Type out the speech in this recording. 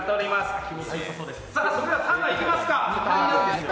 それでは、サウナにいきますか。